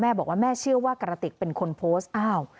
บอกว่าแม่เชื่อว่ากระติกเป็นคนโพสต์อ้าว